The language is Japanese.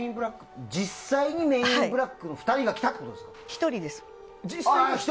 実際に「メン・イン・ブラック」の２人が来たってこと？